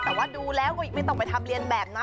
แต่ว่าดูแล้วก็ไม่ต้องไปทำเรียนแบบนะ